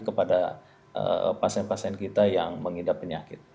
kepada pasien pasien kita yang mengidap penyakit